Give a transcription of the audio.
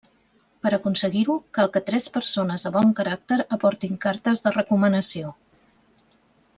Per aconseguir-ho, cal que tres persones de bon caràcter aportin cartes de recomanació.